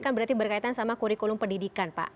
kan berarti berkaitan sama kurikulum pendidikan pak